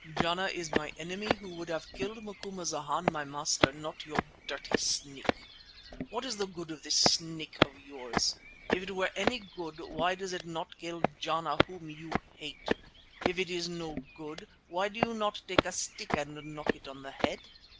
Jana is my enemy who would have killed Macumazana, my master, not your dirty snake. What is the good of this snake of yours? If it were any good, why does it not kill Jana whom you hate? And if it is no good, why do you not take a stick and knock it on the head?